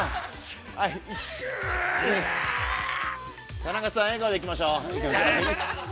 田中さん、笑顔でいきましょう。